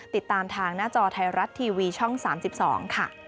ติดตามทางหน้าจอไทยรัฐทีวีช่อง๓๒ค่ะ